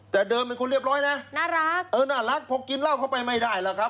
แต่เดิมเป็นคนเรียบร้อยนะน่ารักเออน่ารักพอกินเหล้าเข้าไปไม่ได้แล้วครับ